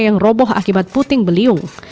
yang roboh akibat puting beliung